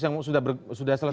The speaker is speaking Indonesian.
yang sudah selesai